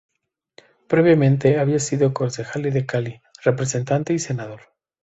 Previamente había sido concejal de Cali, representante y senador.